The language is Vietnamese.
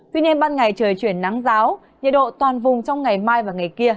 tuy nhiên ban ngày trời chuyển nắng giáo nhiệt độ toàn vùng trong ngày mai và ngày kia